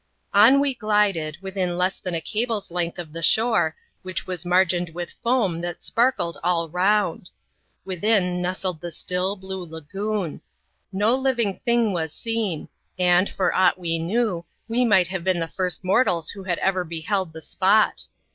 On we glided, within less than a cable's length of the shore, which was margined with foam that sparkled all round. Within nestled the still, blue lagoon. No living thing was seen, and, for aught we knew, we might have been the first mortals who had ever beheld the spot.